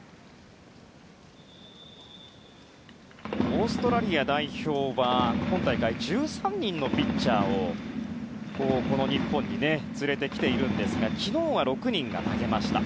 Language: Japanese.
オーストラリア代表は今大会１３人のピッチャーを日本に連れてきているんですが昨日は６人が投げました。